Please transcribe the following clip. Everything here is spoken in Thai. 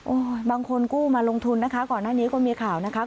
บางคนกู้มาลงทุนนะคะก่อนหน้านี้ก็มีข่าวนะคะ